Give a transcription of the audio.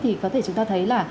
thì có thể chúng ta thấy là